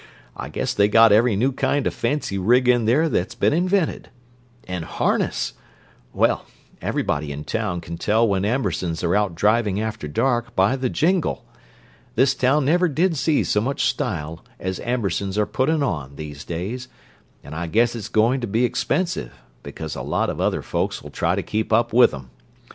I guess they got every new kind of fancy rig in there that's been invented. And harness—well, everybody in town can tell when Ambersons are out driving after dark, by the jingle. This town never did see so much style as Ambersons are putting on, these days; and I guess it's going to be expensive, because a lot of other folks'll try to keep up with 'em.